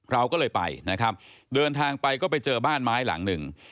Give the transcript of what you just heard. เราก็เลยไปนะครับเดินทางไปก็ไปเจอบ้านไม้หลังหนึ่ง